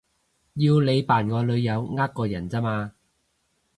要你扮我女友呃個人咋嘛